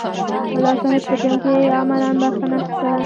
ملا صاحب په جنګ کې عملاً برخه نه اخیستله.